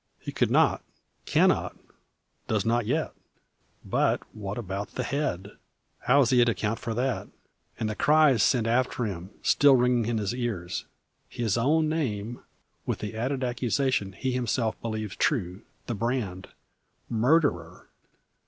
He could not, cannot, does not yet. But what about the head? How is he to account for that? And the cries sent after him still ringing in his ears his own name, with the added accusation he himself believes true, the brand, "murderer!"